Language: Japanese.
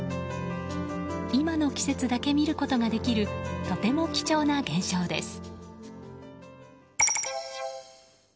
今の季節だけ見ることができるとても貴重な現象です。